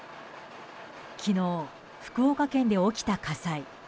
昨日、福岡県で起きた火災。